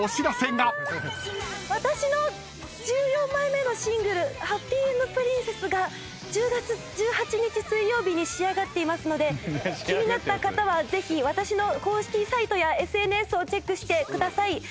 私の１４枚目のシングル『ハッピーエンドプリンセス』が１０月１８日水曜日に仕上がっていますので気になった方はぜひ私の公式サイトやＳＮＳをチェックしてください。